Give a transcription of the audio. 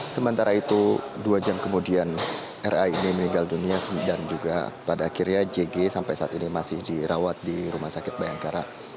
sementara itu dua jam kemudian ra ini meninggal dunia dan juga pada akhirnya jg sampai saat ini masih dirawat di rumah sakit bayangkara